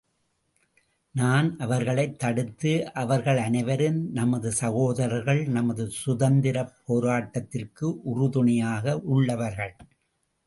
நான் அவர்களைத் தடுத்து அவர்கள் அனைவரும் நமது சகோதரர்கள், நமது சுதந்திர போராட்டத்திற்கு உறுதுணையாக உள்ளவர்கள்.